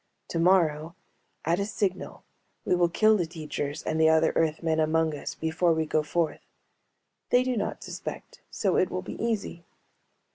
Tomorrow, at a signal, we will kill the teachers and the other Earthmen among us before we go forth. They do not suspect, so it will be easy.